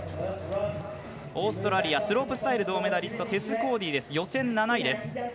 オーストラリアスロープスタイル銅メダリストテス・コーディ、予選７位です。